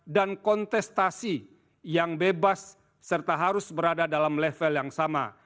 dan kontestasi yang bebas serta harus berada dalam level yang sama